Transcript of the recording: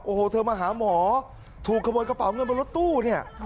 โอ้โหเธอมาหาหมอถูกขโมยกระเป๋าเงินบนรถตู้เนี่ย